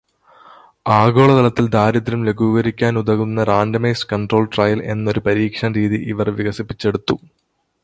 ആഗോളതലത്തിൽ ദാരിദ്ര്യം ലഘൂകരിക്കാനുതകുന്ന “randomised control trial” എന്ന ഒരു പരീക്ഷണരീതി ഇവർ വികസിപ്പിച്ചെടുത്തു